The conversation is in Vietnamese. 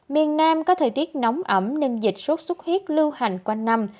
miền nam có thời tiết nóng ẩm nên dịch sốt sốt huyết lưu hành qua năm